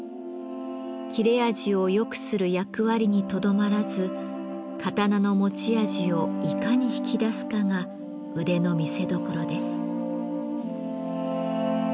切れ味を良くする役割にとどまらず刀の持ち味をいかに引き出すかが腕の見せどころです。